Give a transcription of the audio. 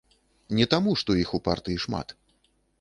Не таму, што іх у партыі шмат.